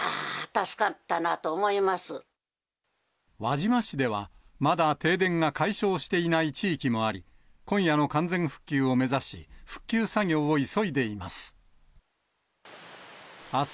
助かっ輪島市では、まだ停電が解消していない地域もあり、今夜の完全復旧を目指し、復旧作業を急いでいます。